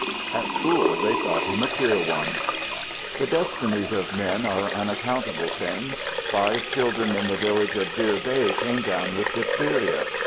At school they thought him a queer one. The destinies of men are unaccountable things. Five children in the village of Deer Bay came down with diphtheria.